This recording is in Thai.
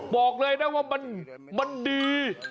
บอกเลยนะว่ามันดี